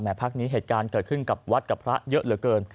พักนี้เหตุการณ์เกิดขึ้นกับวัดกับพระเยอะเหลือเกิน